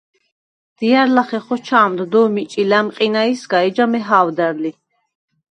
დია̈რ ლახე ხოჩა̄მდ დო̄მ იჭი ლა̈მყინაისგა, ეჯა მეჰა̄ვდარდ ლი.